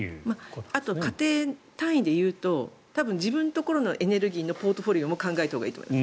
あと家庭単位で言うと多分、自分のところのエネルギーのポートフォリオも考えたほうがいいと思います。